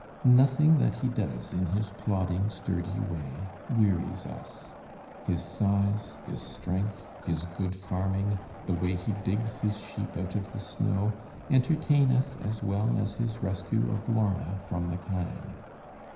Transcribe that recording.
Nothing that he does in his plodding, sturdy way wearies us. His size, his strength, his good farming, the way he digs his sheep out of the snow, entertain us as well as his rescue of Lorna from the clan.